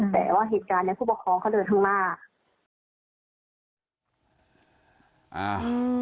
แต่ว่าเหตุการณ์เนี้ยผู้ปกครองเขาเดินข้างหน้าอ่า